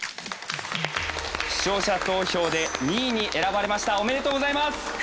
視聴者投票で２位に選ばれましたおめでとうございます